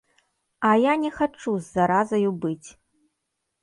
А я не хачу з заразаю быць.